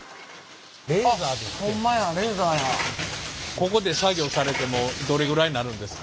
ここで作業されてもうどれぐらいになるんですか？